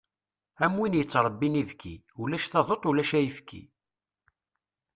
Am win yettrebbin ibki, ulac taduṭ ulac ayefki.